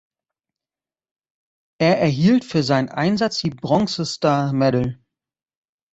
Er erhielt für seinen Einsatz die Bronze Star Medal.